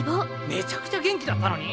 めちゃくちゃ元気だったのに？